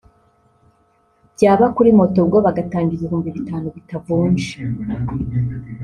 byaba kuri moto bwo bagatanga ibihumbi bitanu bitavunje